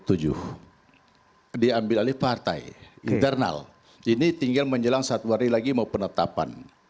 tujuan diambil alih partai internal ini tinggal menjelang satu hari lagi mau penetapan